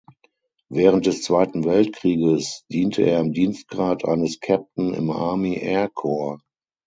Während des Zweiten Weltkrieges diente er im Dienstgrad eines Captain im Army Air Corps.